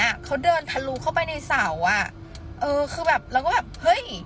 อ่ะเขาเดินทะลุเข้าไปในเสาอ่ะเออคือแบบเราก็แบบเฮ้ย